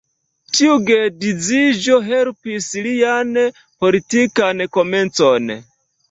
Tiu geedziĝo helpis lian politikan komencon.